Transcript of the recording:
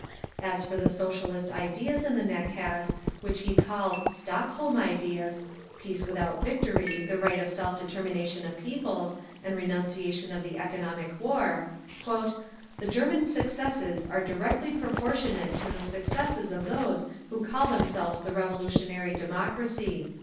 As for the Socialist ideas in the nakaz, which he called "Stockholm ideas"—peace without victory, the right of self determination of peoples, and renunciation of the economic war— "The German successes are directly proportionate to the successes of those who call themselves the revolutionary democracy.